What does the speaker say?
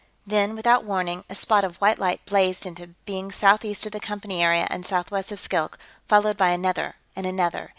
Then, without warning, a spot of white light blazed into being southeast of the Company area and southwest of Skilk, followed by another and another.